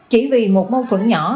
chỉ vì một mâu thuẫn nhỏ